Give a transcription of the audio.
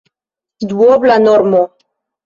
Duobla normo!